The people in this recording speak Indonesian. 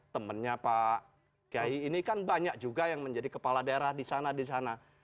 temannya pak kiai ini kan banyak juga yang menjadi kepala daerah di sana di sana